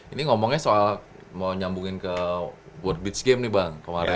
ini ngomongnya soal mau nyambungin ke world beach game nih bang kemarin